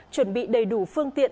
chuẩn bị đầy đủ phương tiện